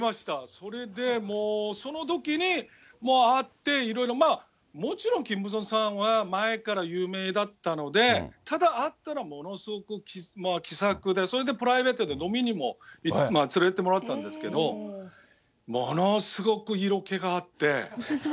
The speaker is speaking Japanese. それでもう、そのときにもう会って、いろいろもちろんキム・ブソンさんは、前から有名だったので、ただ会ったらものすごく気さくで、それでプライベートで飲みにも連れていってもらったんですけれども、ものすごく色気があって。